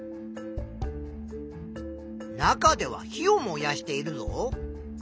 中では火を燃やしているぞ。